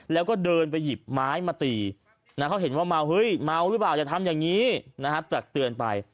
แล้วก็เดินไปหยิบไม้มาตีเขาเห็นว่าเมาเฮ้ยเมาหรือเปล่าอย่าทำอย่างนี้นะครับตักเตือนไป